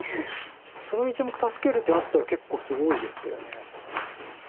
その１目助ける手あったら結構すごいですけど。